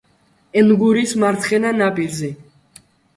ენგურის მარცხენა ნაპირზე.